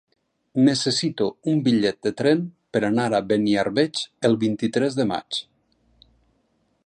Necessito un bitllet de tren per anar a Beniarbeig el vint-i-tres de maig.